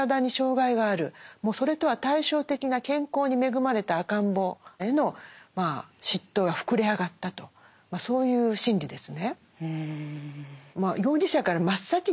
もうそれとは対照的な健康に恵まれた赤ん坊への嫉妬が膨れ上がったとそういう心理ですね。